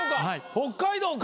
北海道か。